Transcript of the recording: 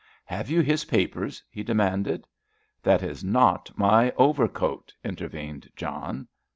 "Have you his papers?" he demanded. "That is not my overcoat," intervened John.